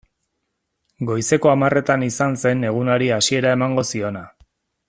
Goizeko hamarretan izan zen egunari hasiera emango ziona.